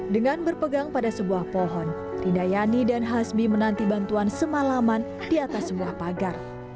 dengan berpegang pada sebuah pohon rindayani dan hasbi menanti bantuan semalaman di atas sebuah pagar